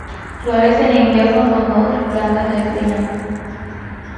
Florece en invierno cuando otras plantas declinan.